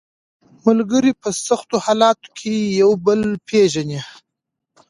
ملګري په سختو حالاتو کې یو بل پېژني